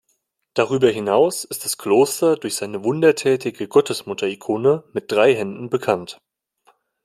Darüber hinaus ist das Kloster durch seine wundertätige Gottesmutter-Ikone mit drei Händen bekannt.